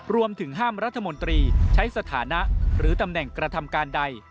รวมถึงห้ามรัฐมนตรีใช้สถานะหรือตำแหน่งกระทำการใด